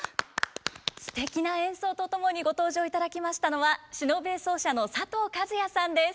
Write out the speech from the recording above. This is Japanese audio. すてきな演奏と共にご登場いただきましたのは篠笛奏者の佐藤和哉さんです。